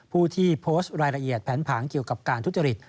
ผู้ที่โพสต์รายละเอียดแผนผังเกี่ยวกับการทุจริต